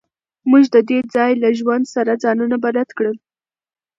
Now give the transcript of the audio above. موږ د دې ځای له ژوند سره ځانونه بلد کړل